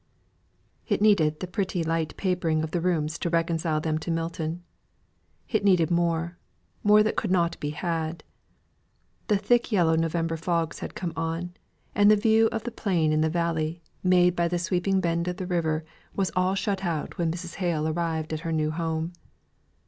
It needed the pretty light papering of the rooms to reconcile them to Milton. It needed more more that could not be had. The thick yellow November fogs had come on; and the view of the plain in the valley, made by the sweeping bend of the river was all shut out when Mrs. Hale arrived at her new home.